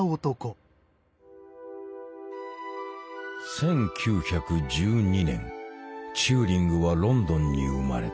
１９１２年チューリングはロンドンに生まれた。